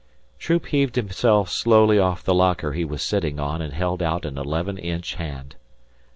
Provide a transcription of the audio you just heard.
Troop heaved himself slowly off the locker he was sitting on and held out an eleven inch hand.